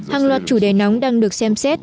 hàng loạt chủ đề nóng đang được xem xét